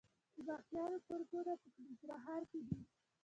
د ماهیانو فارمونه په ننګرهار کې دي